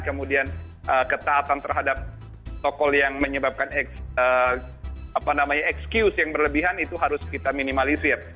kemudian ketaatan terhadap tokol yang menyebabkan excuse yang berlebihan itu harus kita minimalisir